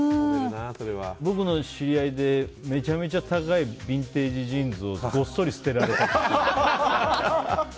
僕の知り合いでめちゃめちゃ高いビンテージジーンズをごっそり捨てられたって。